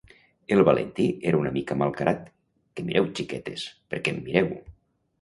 El Valentí era una mica malcarat, què mireu xiquetes, per què em mireu?